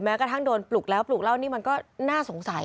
กระทั่งโดนปลุกแล้วปลูกเล่านี่มันก็น่าสงสัย